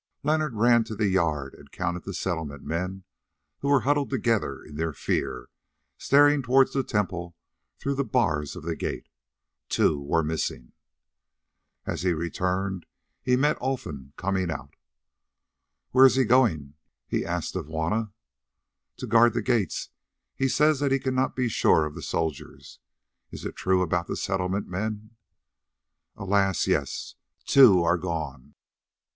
Leonard ran to the yard and counted the Settlement men, who were huddled together in their fear, staring towards the temple through the bars of the gate. Two were missing. As he returned he met Olfan coming out. "Where is he going?" he asked of Juanna. "To guard the gates. He says that he cannot be sure of the soldiers. Is it true about the Settlement men?" "Alas! yes. Two are gone."